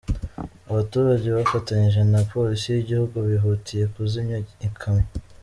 Abaturage bafatanyije na polisi y’igihugu bihutiye kuzimya ikamyo.